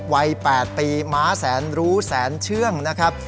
วัย๘ปีม้าแสนรู้แสนเชื่องนะครับ